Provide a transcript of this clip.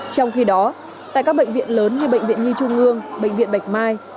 trong khi đó tại các bệnh viện lớn như bệnh viện nhi trung ương bệnh viện bạch mai